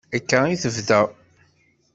Akka i tebda.